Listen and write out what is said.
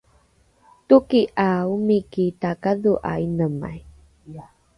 toki ’a omiki takadho’a inemai